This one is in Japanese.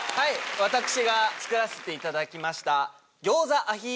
私が作らせていただきました。